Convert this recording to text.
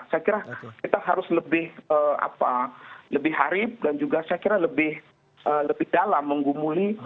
saya kira kita harus lebih harib dan juga saya kira lebih dalam menggumuli